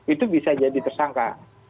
itu bisa jadi tersangka